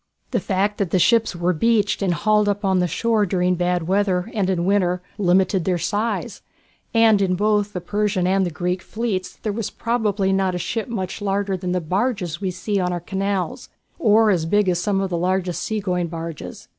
The fact that ships were beached and hauled up the shore during bad weather, and in winter, limited their size, and in both the Persian and the Greek fleets there probably was not a ship much bigger than the barges we see on our canals, or as big as some of the largest sea going barges.